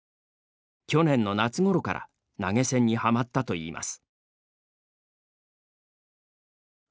去年の夏ごろから投げ銭にはまったといいます。